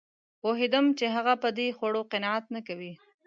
پوهېدم چې هغه په دې خوړو قناعت نه کوي